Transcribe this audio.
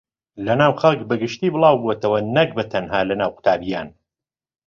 لەناو خەڵک بەگشتی بڵاوبۆتەوە نەک بەتەنها لەناو قوتابییان